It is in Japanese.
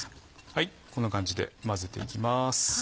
こんな感じで混ぜていきます。